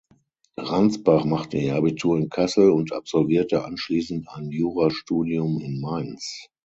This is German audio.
Ransbach machte ihr Abitur in Kassel und absolvierte anschließend ein Jurastudium in Mainz.